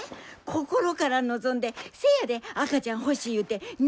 心から望んでせやで赤ちゃん欲しい言うて泣いたんやから！